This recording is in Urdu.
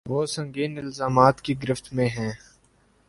وہ سنگین الزامات کی گرفت میں ہیں۔